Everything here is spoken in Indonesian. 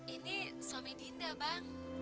ini suami dinda bang